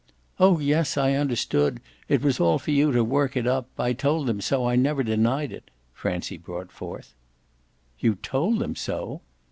"Oh yes, I understood it was all for you to work it up. I told them so. I never denied it," Francie brought forth. "You told them so?"